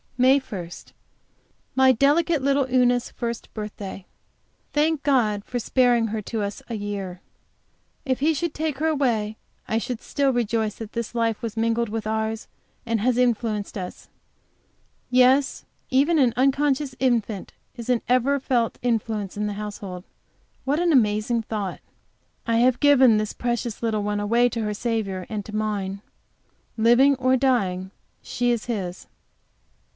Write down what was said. MAY 1. My delicate little Una's first birthday. Thank God for sparing her to us a year. If He should take her away I should still rejoice that this life was mingled with ours, and has influenced them. Yes, even an unconscious infant is an ever felt influence in the household; what an amazing thought! I have given this precious little one away to her Saviour and to mine; living or dying, she is His.